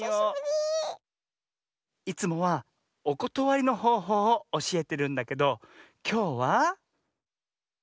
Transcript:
いつもはおことわりのほうほうをおしえてるんだけどきょうは。